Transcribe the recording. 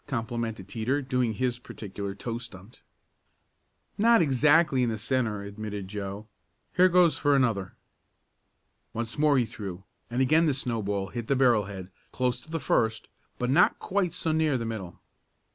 complimented Teeter, doing his particular toe stunt. "Not exactly in the centre," admitted Joe. "Here goes for another." Once more he threw, and again the snowball hit the barrel head, close to the first, but not quite so near the middle.